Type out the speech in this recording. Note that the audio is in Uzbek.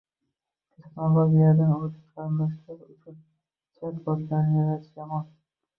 Texnologiyadan oʻlik qarindoshlar uchun chat-botlarni yaratish yomon